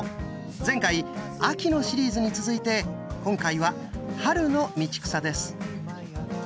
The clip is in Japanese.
前回秋のシリーズに続いて今回は春の道草です。